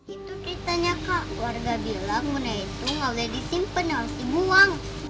itu ceritanya kak warga bilang bonekanya itu gak boleh disimpen harus dibuang